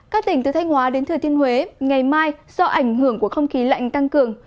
các tỉnh từ thanh hóa đến thừa thiên huế ngày mai do ảnh hưởng của không khí lạnh tăng cường